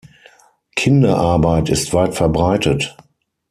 Kinderarbeit ist weitverbreitet.